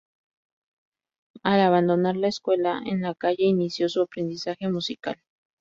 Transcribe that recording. Al abandonar la escuela, en la calle inició su aprendizaje musical.